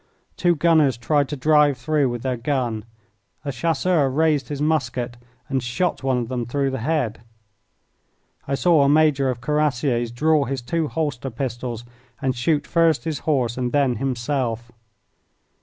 Two gunners tried to drive through with their gun. A Chasseur raised his musket and shot one of them through the head. I saw a major of Cuirassiers draw his two holster pistols and shoot first his horse and then himself.